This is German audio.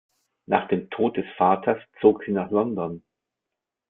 Nach dem Tod des Vaters zog sie nach London.